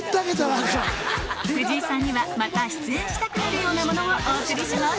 藤井さんにはまた出演したくなるようなものをお送りします